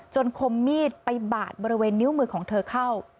คมมีดไปบาดบริเวณนิ้วมือของเธอเข้า